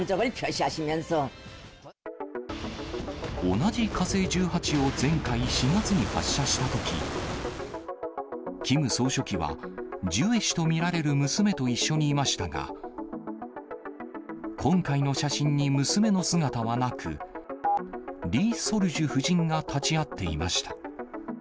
同じ火星１８を前回４月に発射したとき、キム総書記は、ジュエ氏と見られる娘と一緒にいましたが、今回の写真に娘の姿はなく、リ・ソルジュ夫人が立ち会っていました。